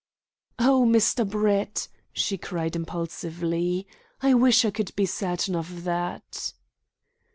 "Oh, Mr. Brett," she cried impulsively, "I wish I could be certain of that!"